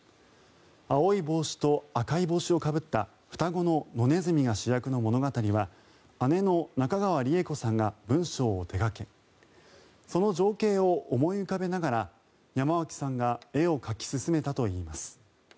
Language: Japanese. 青い帽子と赤い帽子をかぶった双子の野ネズミが主役の物語は姉の中川李枝子さんが文章を手掛けその情景を思い浮かべながら山脇さんが絵を描き進めたといいます。